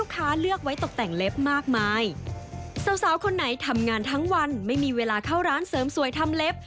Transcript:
เข้าร้านเสริมสวยทำเล็บ